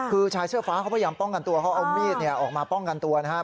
คือชายเสื้อฟ้าเขาพยายามป้องกันตัวเขาเอามีดออกมาป้องกันตัวนะครับ